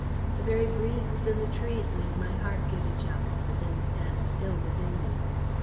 The very breezes in the trees made my heart give a jump, and then stand still within me.